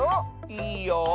いいよ！